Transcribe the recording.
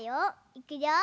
いくよ。